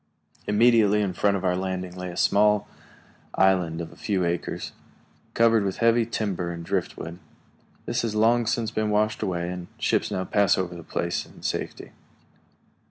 Immediately in front of our landing lay a small island of a few acres, covered with heavy timber and driftwood. This has long since been washed away, and ships now pass over the place in safety.